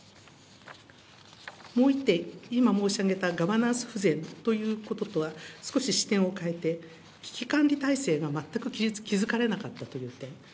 もう１点、今申し上げたガバナンス不全ということとは少し視点を変えて、危機管理体制が全く築かれなかったという点。